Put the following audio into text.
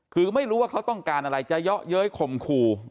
คือไม่รู้ว่าเขาต้องการอะไรจะเยาะเย้ยข่มขู่